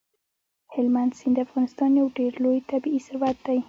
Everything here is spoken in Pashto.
هلمند سیند د افغانستان یو ډېر لوی طبعي ثروت دی.